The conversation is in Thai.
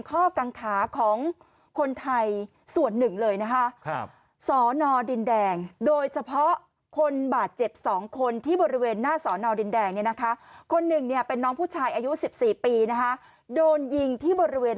คนหนึ่งเนี่ยเป็นน้องผู้ชายอายุ๑๔ปีนะฮะโดนยิงที่บริเวณ